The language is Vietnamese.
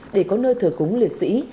để có nơi thử cúng liệt sĩ